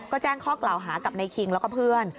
ก็แจ้งข้อกล่าวหากับในคิงแล้วก็เพื่อน